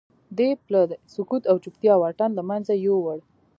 دې پله د سکوت او چوپتیا واټن له منځه یووړ